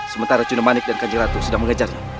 sementara cunemanik dan kanjelatu sudah mengejarnya